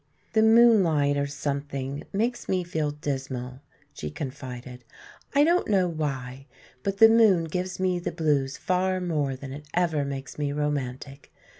"The moonlight, or something, makes me feel dismal," she confided. "I don't know why, but the moon gives me the blues far more than it ever makes me romantic.